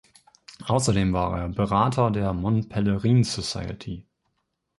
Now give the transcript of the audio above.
Außerdem war er Berater der Mont Pelerin Society.